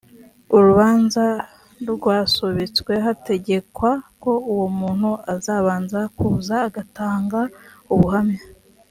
urubanza rwasubitswe hategekwa ko uwo muntu azabanza kuza agatanga ubuhanya